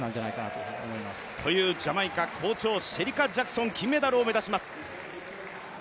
というジャマイカ好調、シェリカ・ジャクソン、金メダルを目指します。